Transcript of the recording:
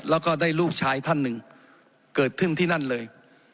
แล้วก็ได้ลูกชายท่านหนึ่งเกิดขึ้นที่นั่นเลย